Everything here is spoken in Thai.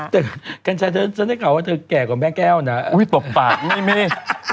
แต่กันแใช้เธอนะนะว่าเธอแก่กว่าแม่แก้วนะอุ๊ยตบตากไม่มี